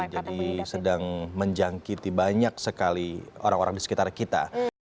jadi sedang menjangkiti banyak sekali orang orang di sekitar kita